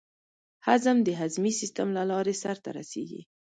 هضم د هضمي سیستم له لارې سر ته رسېږي.